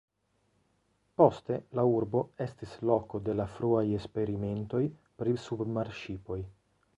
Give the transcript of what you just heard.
Poste la urbo estis loko de la fruaj eksperimentoj pri submarŝipoj.